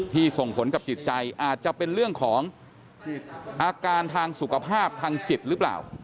ส่งผลกับจิตใจอาจจะเป็นเรื่องของอาการทางสุขภาพทางจิตหรือเปล่า